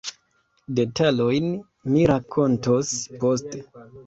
Detalojn mi rakontos poste.